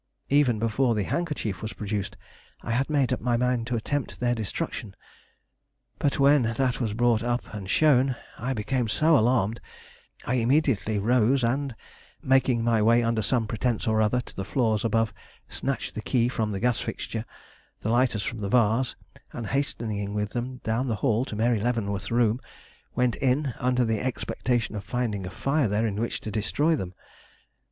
Even before the handkerchief was produced, I had made up my mind to attempt their destruction; but when that was brought up and shown, I became so alarmed I immediately rose and, making my way under some pretence or other to the floors above, snatched the key from the gas fixture, the lighters from the vase, and hastening with them down the hall to Mary Leavenworth's room, went in under the expectation of finding a fire there in which to destroy them.